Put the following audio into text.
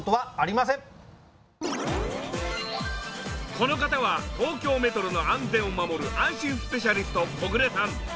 この方は東京メトロの安全を守る安心スペシャリスト木暮さん。